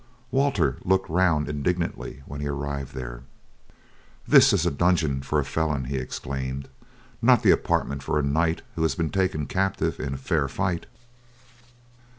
Walter looked round indignantly when he arrived there. "This is a dungeon for a felon," he exclaimed, "not the apartment for a knight who has been taken captive in fair fight.